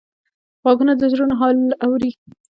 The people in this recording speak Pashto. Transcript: غوږونه د زړونو حال اوري